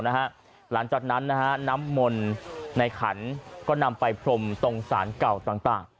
นะฮะหลังจากนั้นนะฮะน้ำมนในขันก็นำไปพรมตรงสารเก่าต่างต่าง